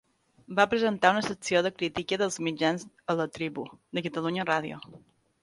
Va presentar una secció de crítica dels mitjans a La tribu de Catalunya Ràdio.